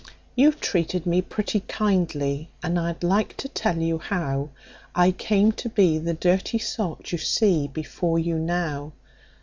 "You've treated me pretty kindly and I'd like to tell you how I came to be the dirty sot you see before you now.